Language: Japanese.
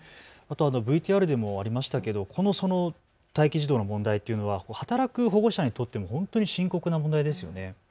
ＶＴＲでもありましたけどその待機児童の問題っていうのは働く保護者にとって本当に深刻な問題ですよね。